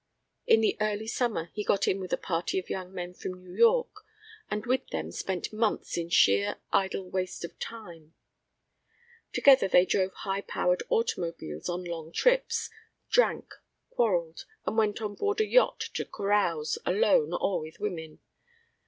In the early summer he got in with a party of young men from New York and with them spent months in sheer idle waste of time. Together they drove high powered automobiles on long trips, drank, quarrelled, and went on board a yacht to carouse, alone or with women.